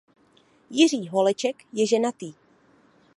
Jiří Holeček je ženatý.